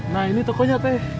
nah ini tokonya teh